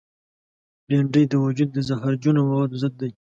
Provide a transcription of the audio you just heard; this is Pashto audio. بېنډۍ د وجود د زهرجنو موادو ضد ده